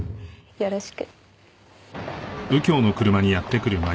よろしく。